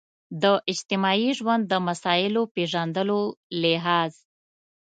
د اجتماعي ژوند د مسایلو پېژندلو لحاظ.